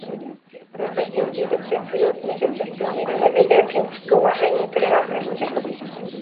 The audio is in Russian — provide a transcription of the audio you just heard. Мы хотим двигаться вперед вместе со всем миром, разделяя принципы уважения и толерантности.